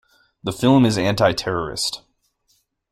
The film is anti-terrorist.